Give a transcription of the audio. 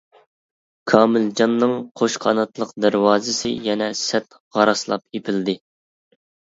كامىلجاننىڭ قوش قاناتلىق دەرۋازىسى يەنە سەت غاراسلاپ يېپىلدى.